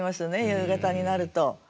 夕方になると。